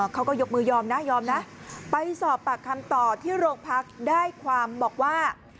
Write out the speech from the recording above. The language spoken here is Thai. เขาก็ยกมือยอมนะยอมนะไปสอบปากคำต่อที่โรงพักได้ความบอกว่า